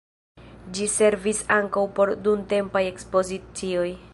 Ĝi servis ankaŭ por dumtempaj ekspozicioj.